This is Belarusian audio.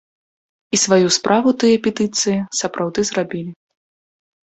І сваю справу тыя петыцыі сапраўды зрабілі.